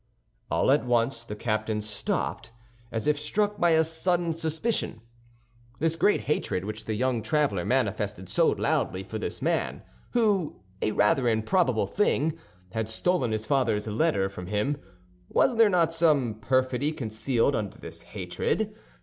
All at once the captain stopped, as if struck by a sudden suspicion. This great hatred which the young traveler manifested so loudly for this man, who—a rather improbable thing—had stolen his father's letter from him—was there not some perfidy concealed under this hatred?